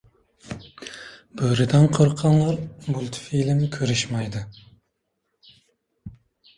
— Bo‘ridan qo‘rqqanlar multfilm ko‘rishmaydi.